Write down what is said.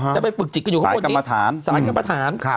จะไปฝึกจิตกันอยู่ข้างบนนี้สารก็มาถาม